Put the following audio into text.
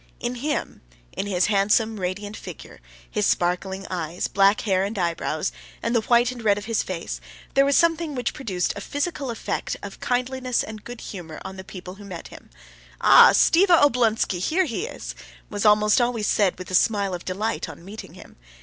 In him, in his handsome, radiant figure, his sparkling eyes, black hair and eyebrows, and the white and red of his face, there was something which produced a physical effect of kindliness and good humor on the people who met him. "Aha! Stiva! Oblonsky! Here he is!" was almost always said with a smile of delight on meeting him.